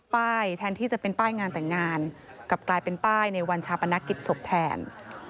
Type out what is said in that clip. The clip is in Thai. แทนที่จะเป็นป้ายงานแต่งงานกลับกลายเป็นป้ายในวันชาปนกิจศพแทน